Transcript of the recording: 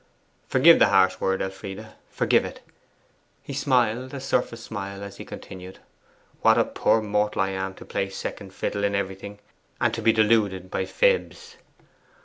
Forgive the harsh word, Elfride forgive it.' He smiled a surface smile as he continued: 'What a poor mortal I am to play second fiddle in everything and to be deluded by fibs!